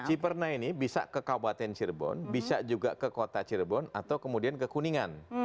ciperna ini bisa ke kabupaten cirebon bisa juga ke kota cirebon atau kemudian ke kuningan